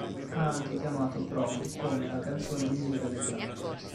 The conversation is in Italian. Ha anche chiamato "Prom" come la canzone migliore dell'album.